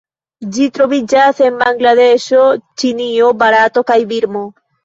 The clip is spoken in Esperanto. Ĝi troviĝas en Bangladeŝo, Ĉinio, Barato kaj Birmo.